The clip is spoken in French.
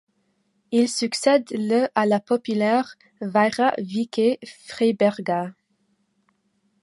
Il succède le à la populaire Vaira Vike-Freiberga.